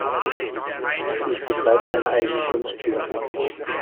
Hettich betreibt eine eigene Kunstschule.